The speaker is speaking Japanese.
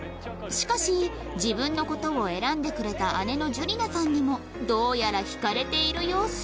しかし自分の事を選んでくれた姉のじゅりなさんにもどうやら引かれている様子